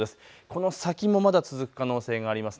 この先もまだ続く可能性があります。